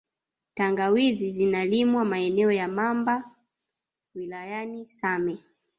Tangawizi zinalimwa maeneo ya Mamba wilayani same